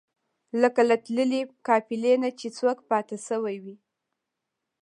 لکه له تللې قافلې نه چې څوک پاتې شوی وي.